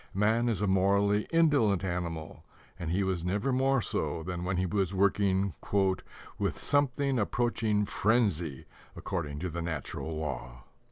Man is a morally indolent animal, and he was never more so than when he was working "with something approaching frenzy according to the natural law."